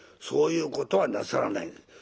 そういうことはなさらない。